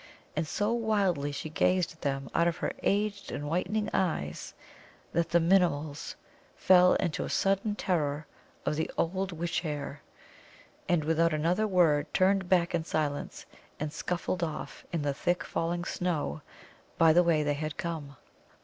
And so wildly she gazed at them out of her aged and whitening eyes that the Minimuls fell into a sudden terror of the old witch hare, and without another word turned back in silence and scuffled off in the thick falling snow by the way they had come.